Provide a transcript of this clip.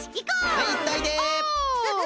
はいいっといで。